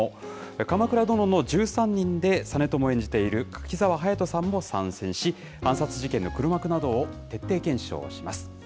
鎌倉殿の１３人で実朝を演じている柿澤勇人さんも参戦し、暗殺事件の黒幕などを徹底検証します。